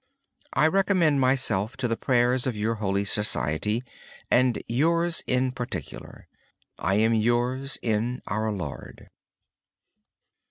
I recommend myself to the prayers of your holy society, and yours in particular. I am yours in our Lord.